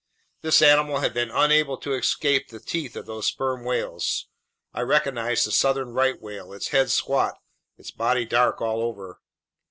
This animal had been unable to escape the teeth of those sperm whales. I recognized the southern right whale, its head squat, its body dark all over.